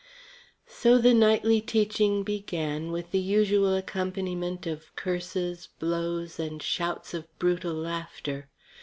So the nightly teaching began with the usual accompaniment of curses, blows, and shouts of brutal laughter.